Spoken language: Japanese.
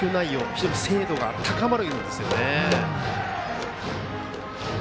非常に精度が高まるんですよね。